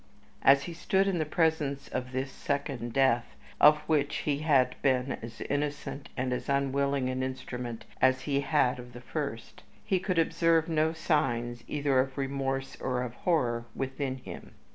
As he stood in the presence of this second death, of which he had been as innocent and as unwilling an instrument as he had of the first, he could observe no signs either of remorse or of horror within him.